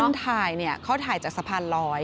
คือคนถ่ายนี่เขาถ่ายจากสะพานลอย